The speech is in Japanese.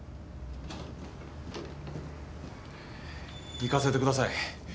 行かせてください。